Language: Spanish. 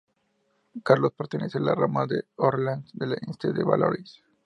Carlos pertenecía a la rama de Orleans de la dinastía de Valois.